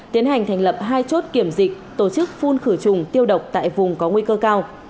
tiến hành thành lập hai chốt kiểm dịch tổ chức phun khử trùng tiêu độc tại vùng có nguy cơ cao